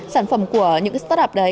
sản phẩm của những start up đấy